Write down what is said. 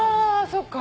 そっか。